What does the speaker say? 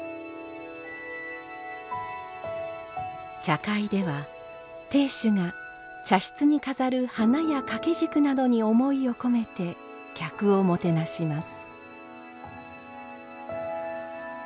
茶会では亭主が茶室に飾る花や掛け軸などに思いを込めて客をもてなします。